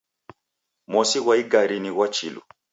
Mosi ghwa igari ni ghwa chilu